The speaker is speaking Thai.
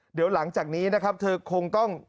เดี๋ยวหลังจากนี้นะครับเธอคงต้อง